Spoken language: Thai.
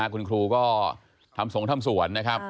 คุณครูก็ทำสงธรรมสวน